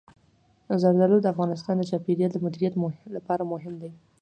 زردالو د افغانستان د چاپیریال د مدیریت لپاره مهم دي.